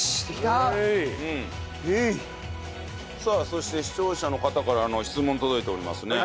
そして視聴者の方からの質問届いておりますね。